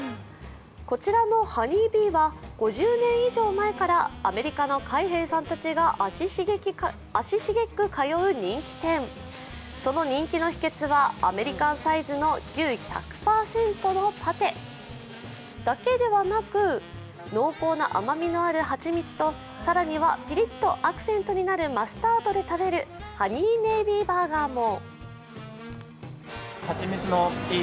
こちらのハニービーは５０年以上前からアメリカ海兵さんたちが足繁く通う人気店でその人気の秘けつはアメリカンサイズの牛１００％のパテだけではなく濃厚な甘みのある蜂蜜と更にはピリッとアクセントになるマスタードで食べるハニーネイビーバーガーも。